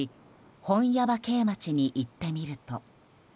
本耶馬渓町に行ってみると。